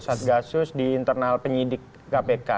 satgasus di internal penyidik kpk